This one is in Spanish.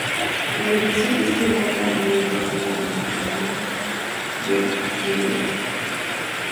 La dirección estuvo a cargo de John Landis, el mismo de "Thriller".